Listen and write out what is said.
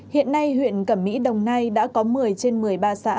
hiện nay huyện cẩm mỹ đồng nai đã có một mươi trên một mươi ba xã